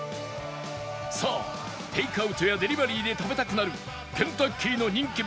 さあテイクアウトやデリバリーで食べたくなるケンタッキーの人気